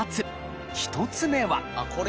１つ目は。